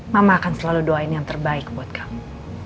mama akan selalu doain yang terbaik buat kamu